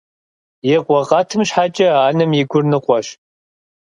И къуэ къэтым щхьэкӀэ анэм и гур ныкъуэщ.